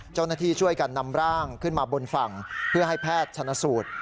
เจ้าหน้าที่ช่วยกันนำร่างขึ้นมาบนฝั่งเพื่อให้แพทย์ชนะสูตร